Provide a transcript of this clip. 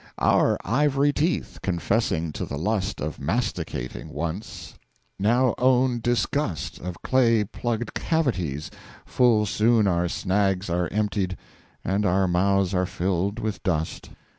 Our ivory Teeth, confessing to the Lust Of masticating, once, now own Disgust Of Clay Plug'd Cavities full soon our Snags Are emptied, and our Mouths are filled with Dust.